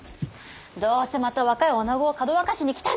どうせまた若いおなごをかどわかしに来たんじゃろ！